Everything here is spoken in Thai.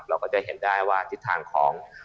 เราก็จะเห็นได้ว่าทิศทางของ